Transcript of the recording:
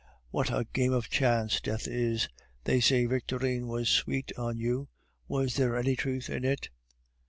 What a game of chance death is! They say Victorine was sweet on you; was there any truth in it?"